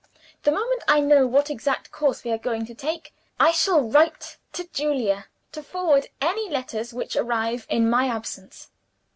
The moment I know what exact course we are going to take, I shall write to Julia to forward any letters which arrive in my absence.